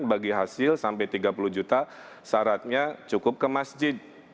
bagi hasil sampai tiga puluh juta syaratnya cukup ke masjid